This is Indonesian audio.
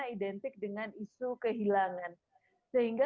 identik dengan isu kehilangan sehingga